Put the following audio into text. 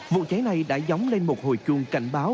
vụ cháy này đã dóng lên một hồi chuông cảnh báo